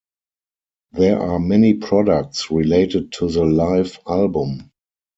There are many products related to the "Life" album.